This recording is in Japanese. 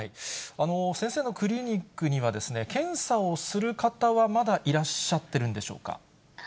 先生のクリニックには、検査をする方は、まだいらっしゃってるんでしょうか。